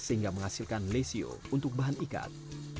sehingga menghasilkan lesio untuk bahan ikat